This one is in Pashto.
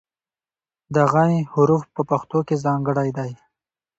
د "غ" حرف په پښتو کې ځانګړی دی.